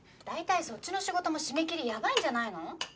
大体そっちの仕事も締め切りやばいんじゃないの？